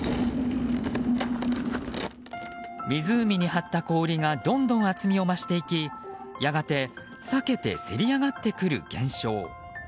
湖に張った氷がどんどん厚みを増していきやがて裂けてせり上がってくる現象。